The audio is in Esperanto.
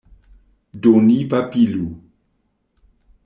Do ni babilu.